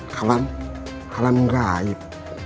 kalam kalam gak aib